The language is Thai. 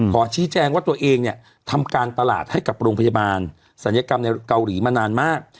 ขอชี้แจงว่าตัวเองเนี่ยทำการตลาดให้กับโรงพยาบาลศัลยกรรมในเกาหลีมานานมาก